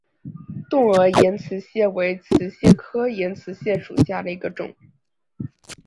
钝额岩瓷蟹为瓷蟹科岩瓷蟹属下的一个种。